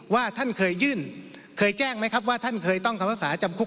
ว่าท่านเคยยื่นเคยแจ้งไหมครับว่าท่านเคยต้องคำภาษาจำคุก